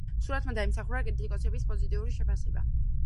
სურათმა დაიმსახურა კრიტიკოსების პოზიტიური შეფასება.